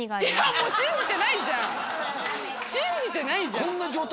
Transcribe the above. もう信じてないじゃん信じてないじゃんこんな状態